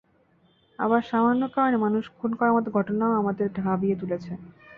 আবার সামান্য কারণে মানুষ খুন করার মতো ঘটনাও আমাদের ভাবিয়ে তুলেছে।